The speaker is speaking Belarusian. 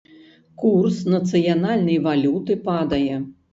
Курс нацыянальнай валюты падае.